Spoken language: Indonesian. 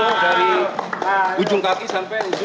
wah berat banget itu ya